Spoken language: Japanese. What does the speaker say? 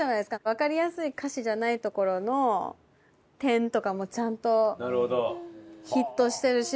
わかりやすい歌詞じゃないところの点とかもちゃんとヒットしてるし。